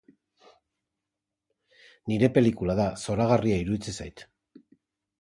Nire pelikula da, zoragarria iruditzen zait.